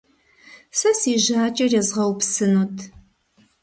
Сэ си жьакӏэр езгъэупсынут.